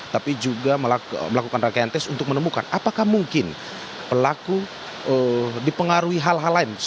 tapi juga melakukan rangkaian tes untuk menemukan apakah mungkin pelaku dipengaruhi hal hal lain